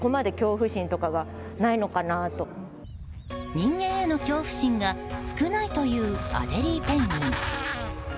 人間への恐怖心が少ないというアデリーペンギン。